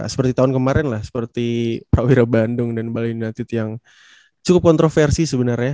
seperti tahun kemarin lah seperti pak wira bandung dan balai indah tid yang cukup kontroversi sebenarnya